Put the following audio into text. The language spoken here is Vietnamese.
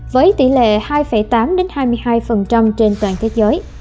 với tỷ lệ hai tám hai mươi hai trên toàn thế giới